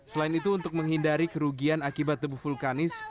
selain itu untuk menghindari kerugian akibat debu vulkanis